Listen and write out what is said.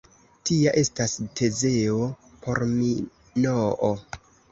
Tia estas Tezeo por Minoo.